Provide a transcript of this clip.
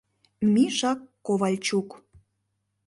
Миша Ковальчук».